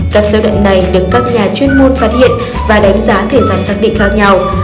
các giai đoạn này được các nhà chuyên môn phát hiện và đánh giá thời gian xác định khác nhau